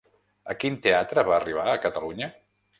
A quin teatre va arribar a Catalunya?